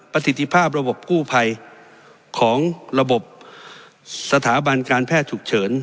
ประสิทธิภาพระบบกู้ภัยของระบบสถาบันการแพทย์ฉุกเฉิน